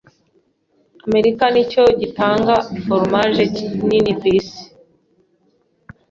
Amerika nicyo gitanga foromaje nini kwisi.